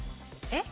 えっ？